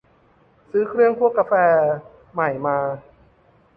ซื้อเครื่องคั่วกาแฟใหม่มา